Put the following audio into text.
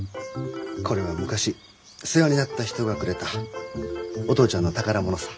これは昔世話になった人がくれたお父ちゃんの宝物さ。